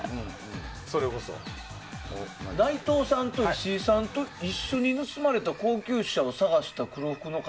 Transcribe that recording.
内藤さんと石井さんと一緒に盗まれた高級車を探した黒服の方